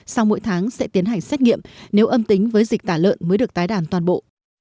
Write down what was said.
sau mỗi tháng sẽ tiến hành xét nghiệm nếu âm tính với dịch tả lợn mới được tái đàn toàn bộ